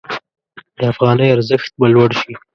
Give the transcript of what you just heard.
د افغانۍ ارزښت به لوړ شي.